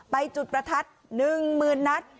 ไปจุดประทัดหนึ่งหมื่นนัด